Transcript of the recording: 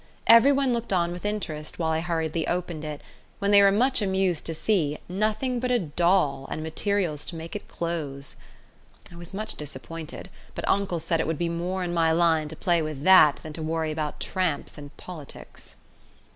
Everyone looked on with interest while I hurriedly opened it, when they were much amused to see nothing but a doll and materials to make it clothes! I was much disappointed, but uncle said it would be more in my line to play with that than to worry about tramps and politics.